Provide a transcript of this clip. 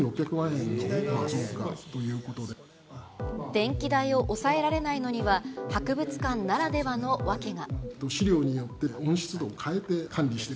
電気代を抑えられないのには、博物館ならではの訳が。